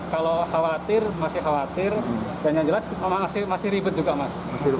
kalau khawatir masih khawatir dan yang jelas masih ribet juga mas